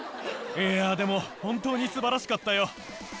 いやでも本当に素晴らしかったよ。